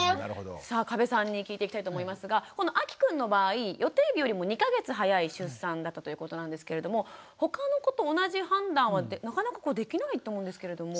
さあ加部さんに聞いていきたいと思いますがこのあきくんの場合予定日よりも２か月早い出産だったということなんですけれどもほかの子と同じ判断はなかなかできないと思うんですけれども。